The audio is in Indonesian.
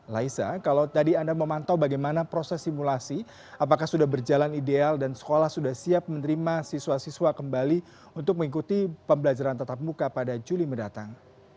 laisa kalau tadi anda memantau bagaimana proses simulasi apakah sudah berjalan ideal dan sekolah sudah siap menerima siswa siswa kembali untuk mengikuti pembelajaran tetap muka pada juli mendatang